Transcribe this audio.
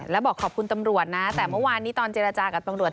แล้วบอกขอบคุณตำรวจนะแต่เมื่อวานนี้ตอนเจรจากับตำรวจ